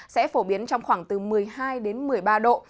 sẽ phổ biến trong khoảng từ một mươi hai đến một mươi ba độ